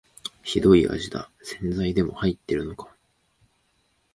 ひどい味だ、洗剤でも入ってるのか